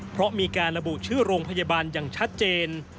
เพราะมีการระบุชื่อโรงพยาบาลอย่างชัดเจน